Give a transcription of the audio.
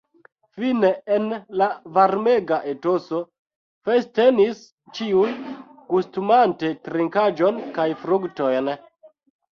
Fine, en la varmega etoso festenis ĉiuj, gustumante trinkaĵon kaj fruktojn.